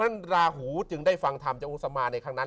ต้อนราหูจึงได้ฟังธรรมจากอุทธิษย์สมมาในครั้งนั้น